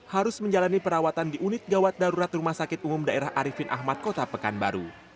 harus menjalani perawatan di unit gawat darurat rumah sakit umum daerah arifin ahmad kota pekanbaru